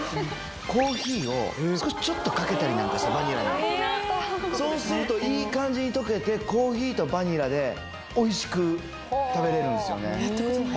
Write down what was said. コーヒーを少しちょっとかけたりなんかしてバニラにそうするといい感じに溶けてコーヒーとバニラでおいしく食べれるんですよね